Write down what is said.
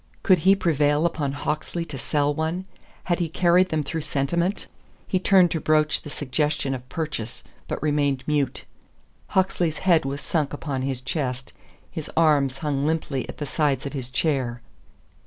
Could he prevail upon Hawksley to sell one? Had he carried them through sentiment? He turned to broach the suggestion of purchase, but remained mute. Hawksley's head was sunk upon his chest; his arms hung limply at the sides of his chair.